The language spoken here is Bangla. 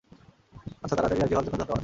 আচ্ছা, তাড়াতাড়ি রাজি হওয়ার জন্য ধন্যবাদ।